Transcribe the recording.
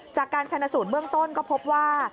จากการชนะสูตรเบื้องต้นก็พบว่า